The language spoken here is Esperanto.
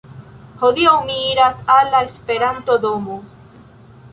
Hodiaŭ mi iras al la Esperanto-domo